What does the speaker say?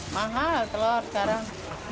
mahal telur sekarang